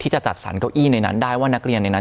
จะจัดสรรเก้าอี้ในนั้นได้ว่านักเรียนในนั้น